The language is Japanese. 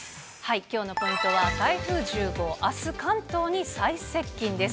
きょうのポイントは、台風１０号、あす関東に最接近です。